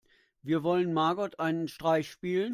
Wir wollen Margot einen Streich spielen.